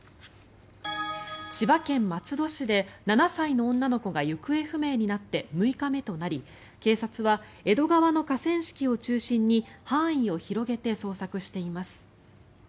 千葉県松戸市で７歳の女の子が行方不明となって６日目となり警察は江戸川の河川敷を中心に範囲を広げて捜索しています。